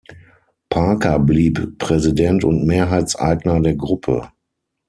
Parker blieb Präsident und Mehrheitseigner der Gruppe.